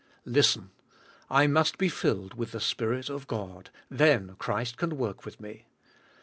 Listen. I must be filled with the Spirit of God, then Christ can work with me.